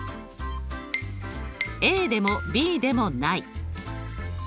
ＡでもＢでもない。